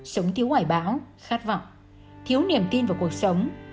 sống thiếu quảy bão khát vọng thiếu niềm tin vào cuộc sống